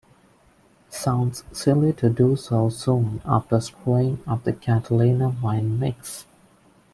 Sounds silly to do so soon after screwing up the Catalina Wine Mixe.